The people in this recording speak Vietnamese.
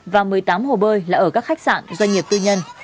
và một mươi tám hồ bơi là ở các khách sạn doanh nghiệp tư nhân